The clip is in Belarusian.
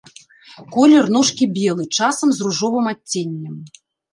Колер ножкі белы, часам з ружовым адценнем.